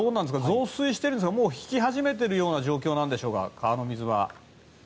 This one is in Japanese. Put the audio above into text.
増水しているんですかもう引き始めている状況なんでしょうか。